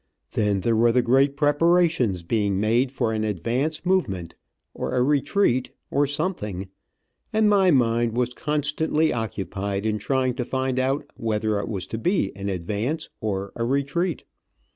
Then there were great preparations being made for an advance movement, or a retreat, or something, and my mind was constantly occupied in trying to find out whether it was to be an advance or a retreat.